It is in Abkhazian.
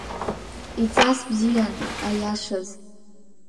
Иҵас бзиан, аиашаз.